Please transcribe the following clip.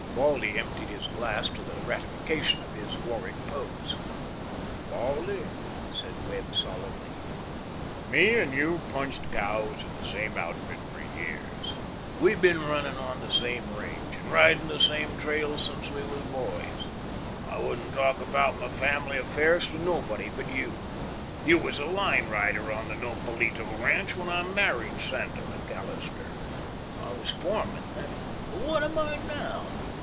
Baldy emptied his glass to the ratification of his Warwick pose. "Baldy," said Webb, solemnly, "me and you punched cows in the same outfit for years. We been runnin' on the same range, and ridin' the same trails since we was boys. I wouldn't talk about my family affairs to nobody but you. You was line rider on the Nopalito Ranch when I married Santa McAllister. I was foreman then; but what am I now?